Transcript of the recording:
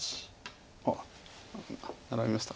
あっナラびましたか。